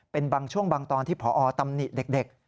เป็นบางช่วงบางตอนที่พอตำหนิเด็ก